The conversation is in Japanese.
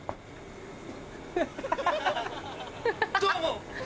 どうも！